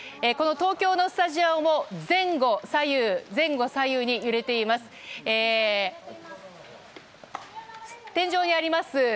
この東京のスタジオも前後左右に揺れています。